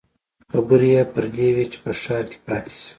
خبرې يې پر دې وې چې په ښار کې پاتې شي.